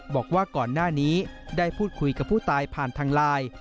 บอกว่าก่อนหน้านี้ได้พูดคุยกับผู้ตายผ่านทางไลน์